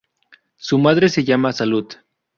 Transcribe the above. Su madre se llama Salud.